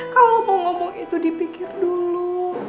kalau mau ngomong itu dipikir dulu